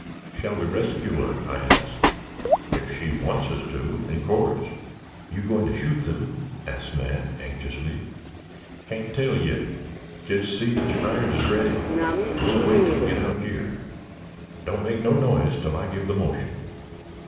"Shall we rescue her?" I asked. "Ef she wants us to, in course." "You going to shoot them?" asked Nat, anxiously. "Can't tell yit. Jest see that yer irons is ready, and we'll wait till they get out yer. Don't make no noise till I give the motion."